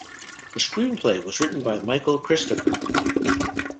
The screenplay was written by Michael Cristofer.